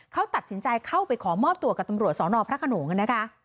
เขาตัดสินใจเข้าไปขอมอบตัวกับตำรวจสอนอพระขนงนะคะ